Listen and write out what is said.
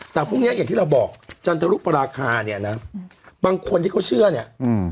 แต่พรุ่งเนี้ยอย่างที่เราบอกจันทรุปราคาเนี่ยนะบางคนที่เขาเชื่อเนี่ยอืม